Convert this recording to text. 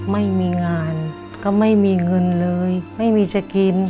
ไม่มีงานก็ไม่มีเงินเลยไม่มีจะกิน